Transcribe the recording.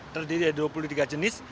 terdiri dari dua puluh tiga jenis